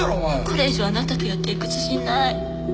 これ以上あなたとやっていく自信ない。